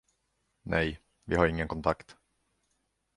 Nej, vi har ingen kontakt.